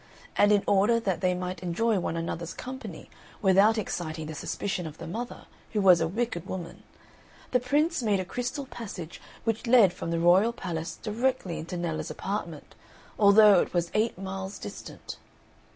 And in order that they might enjoy one another's company without exciting the suspicion of the mother, who was a wicked woman, the Prince made a crystal passage which led from the royal palace directly into Nella's apartment, although it was eight miles distant.